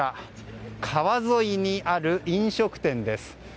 川沿いにある飲食店です。